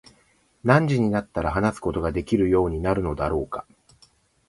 何時になったら話すことができるようになるのだろうか。